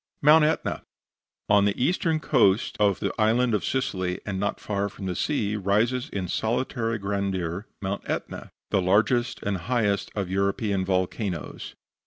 MOUNT ETNA On the eastern coast of the Island of Sicily, and not far from the sea, rises in solitary grandeur Mount Etna, the largest and highest of European volcanoes.